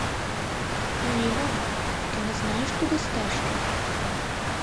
Ніно, ти не знаєш туди стежки?